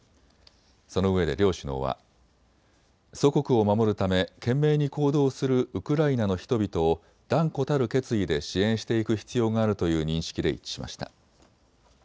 そのうえで両首脳は祖国を守るため懸命に行動するウクライナの人々を断固たる決意で支援していく必要があるという認識で一致しました。